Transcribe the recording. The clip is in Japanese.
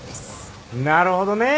なるほどね！